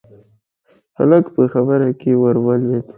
هلک په خبره کې ورولوېد: